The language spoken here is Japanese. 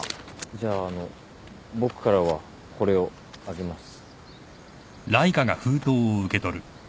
じゃああの僕からはこれをあげます。